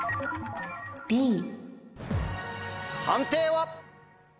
判定は？